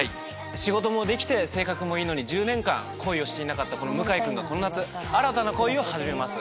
仕事もできて性格もいいのに１０年間恋をしていなかった向井くんがこの夏新たな恋を始めます。